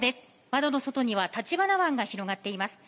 窓の外には橘湾が広がっています。